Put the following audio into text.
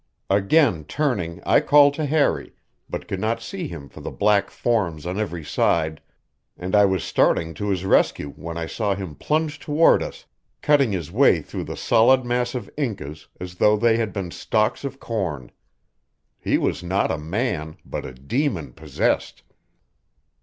Again turning I called to Harry, but could not see him for the black forms on every side, and I was starting to his rescue when I saw him plunge toward us, cutting his way through the solid mass of Incas as though they had been stalks of corn. He was not a man, but a demon possessed.